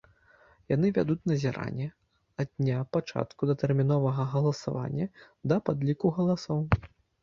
Яны вядуць назіранне ад дня пачатку датэрміновага галасавання да падліку галасоў.